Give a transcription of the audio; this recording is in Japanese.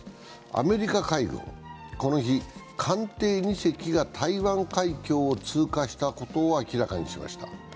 アメリカ海軍、この日、艦艇２隻が台湾海峡を通過したことを明らかにしました。